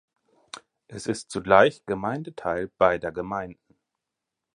Es ist zugleich Gemeindeteil beider Gemeinden.